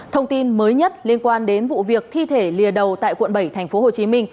thông tin mới nhất liên quan đến vụ việc thi thể lìa đầu tại quận bảy tp hcm